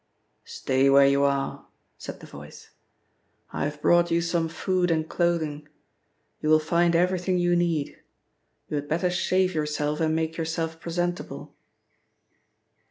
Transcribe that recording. "Stay where you are," said the voice. "I have brought you some food and clothing. You will find everything you need. You had better shave yourself and make yourself presentable."